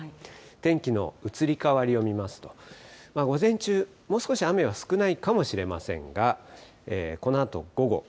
天気の移り変わりを見ますと、午前中、もう少し雨は少ないかもしれませんが、どうですか？